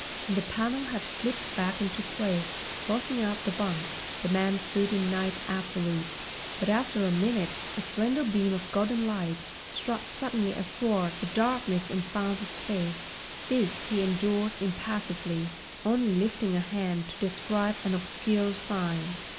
When the panel had slipped back into place, closing out the bunk, the man stood in night absolute. But after a minute a slender beam of golden light struck suddenly athwart the darkness and found his face. This he endured impassively, only lifting a hand to describe an obscure sign.